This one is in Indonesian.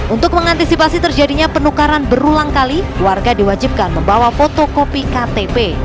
untuk mengantisipasi terjadinya penukaran berulang kali warga diwajibkan membawa fotokopi ktp